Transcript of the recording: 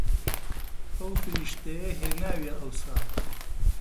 ئەو فریشتەیە هێناویە ئەوسا